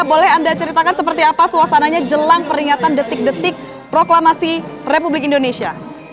boleh anda ceritakan seperti apa suasananya jelang peringatan detik detik proklamasi republik indonesia